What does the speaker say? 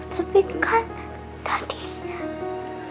tapi kan tadinya